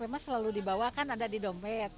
memang selalu dibawa kan ada di dompet